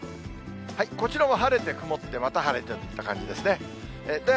こちらも晴れて曇ってまた晴れてといった感じですね。